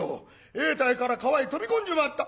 永代から川へ飛び込んじまった」。